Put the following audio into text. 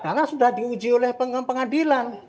karena sudah diuji oleh pengadilan